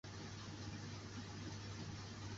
咸田镇建制撤销。